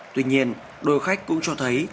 tuy nhiên đối khách cũng cho thấy